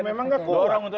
memang gak kuat